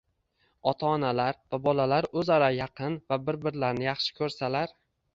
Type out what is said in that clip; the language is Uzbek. ota-onalar va bolalar o‘zaro yaqin va bir-birlarini yaxshi ko‘rsalar.